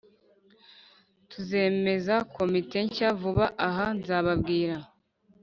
Tuzemeza komite nshya vuba aha nzababwira